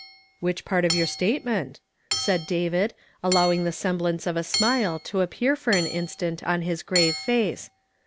"'• Whieh part of your statement?" said David, aUowino |he seiuhhinee of a sniih; to apju ar for an instant on Iiis o^rave face.